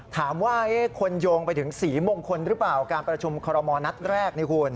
ถามว่าคนโยงไปถึงศรีมงคลหรือเปล่าการประชุมคอรมณ์นัดแรกนี่คุณ